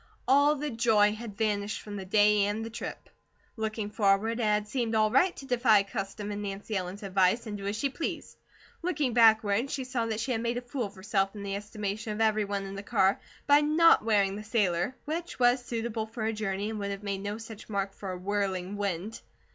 All the joy had vanished from the day and the trip. Looking forward, it had seemed all right to defy custom and Nancy Ellen's advice, and do as she pleased. Looking backward, she saw that she had made a fool of herself in the estimation of everyone in the car by not wearing the sailor, which was suitable for her journey, and would have made no such mark for a whirling wind.